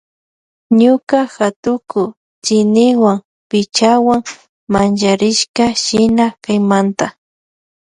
Ñuka hatuku tsiniwan pichawan mancharishka shina kaymanta.